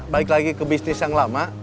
balik lagi ke bisnis yang lama